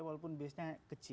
walaupun base nya kecil